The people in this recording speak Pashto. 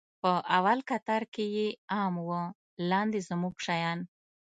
په اول کتار کښې يې ام و لاندې زموږ شيان.